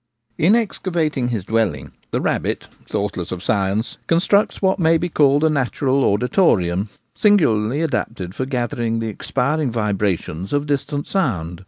In excavating his dwelling, the rabbit, thoughtless of science, constructs what may be called a natural auditorium singularly adapted for gathering the ex piring vibrations of distant sound.